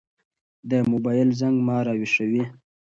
د موبايل زنګ ما راويښوي.